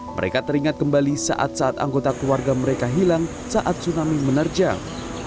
mereka teringat kembali saat saat anggota keluarga mereka hilang saat tsunami menerjang